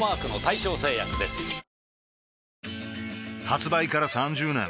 発売から３０年